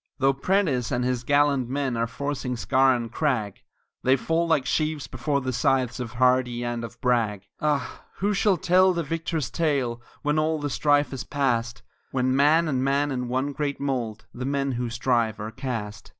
Though Prentiss and his gallant men are forcing scaur and crag, They fall like sheaves before the scythes of Hardee and of Bragg; Ah, who shall tell the victor's tale when all the strife is past, When man and man in one great mould the men who strive are cast.